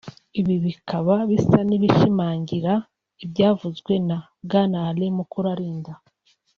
ibi bikaba bisa n’ibishimangira ibyavuzwe na Bwana Alain Mukurarinda